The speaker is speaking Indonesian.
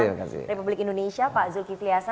menteri perdagangan republik indonesia pak zulkiflihasa